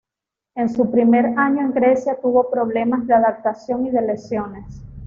En su primer año en Grecia tuvo problemas de adaptación y de lesiones.